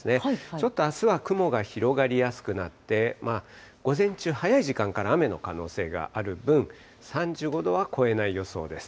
ちょっとあすは雲が広がりやすくなって、午前中、早い時間から雨の可能性がある分、３５度は超えない予想です。